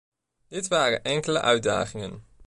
Dit waren enkele uitdagingen.